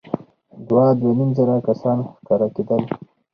دوه ، دوه نيم زره کسان ښکارېدل.